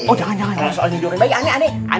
oh jangan jangan soalnya joran joran